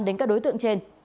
đến các đối tượng trên